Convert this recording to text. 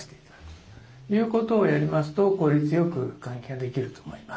ということをやりますと効率よく換気ができると思います。